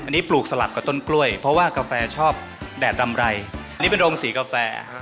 อันนี้ปลูกสลับกับต้นกล้วยเพราะว่ากาแฟชอบแดดรำไรนี่เป็นโรงสีกาแฟ